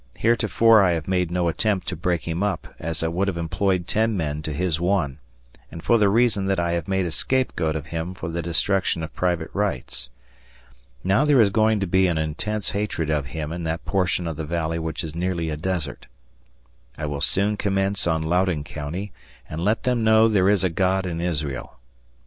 Heretofore I have made no attempt to break him up, as I would have employed ten men to his one, and for the reason that I have made a scapegoat of him for the destruction of private rights. Now there is going to be an intense hatred of him in that portion of the valley which is nearly a desert. I will soon commence on Loudoun County, and let them know there is a God in Israel.